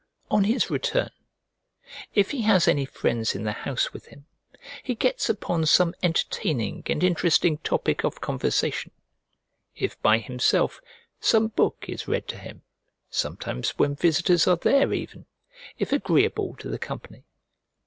On his return, if he has any friends in the house with him, he gets upon some entertaining and interesting topic of conversation; if by himself, some book is read to him, sometimes when visitors are there even, if agreeable to the company.